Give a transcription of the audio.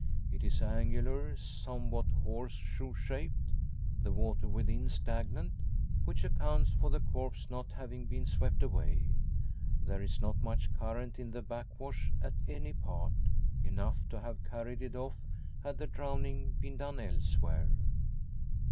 It is angular, somewhat horse shoe shaped; the water within stagnant, which accounts for the corpse not having been swept away. There is not much current in the backwash at any part; enough to have carried it off had the drowning been done elsewhere.